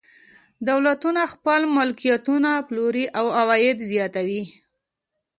دولتونه خپل ملکیتونه پلوري او عواید زیاتوي.